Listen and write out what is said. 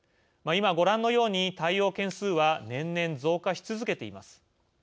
今、ご覧のように対応件数は年々増加し続けています。